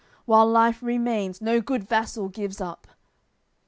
While life remains, no good vassal gives up."